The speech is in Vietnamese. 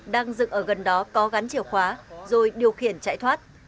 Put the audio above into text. đang dựng ở gần đó có gắn chìa khóa rồi điều khiển chạy thoát